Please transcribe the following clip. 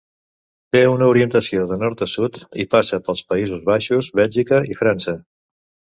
Té una orientació de nord a sud i passa pels Països Baixos, Bèlgica i França.